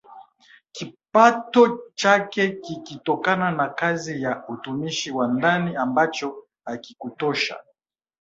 Kipato chake kikitokana na kazi ya utumishi wa ndani ambacho hakikutosha